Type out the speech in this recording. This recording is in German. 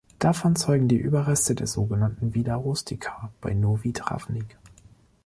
Davon zeugen die Überreste der sogenannten "Vila rustica" bei Novi Travnik.